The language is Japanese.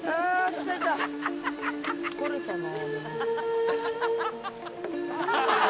疲れたな。